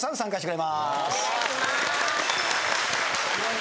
・お願いします。